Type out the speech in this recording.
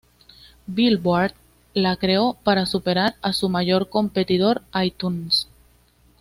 Billboard la creó para superar a su mayor competidor iTunes.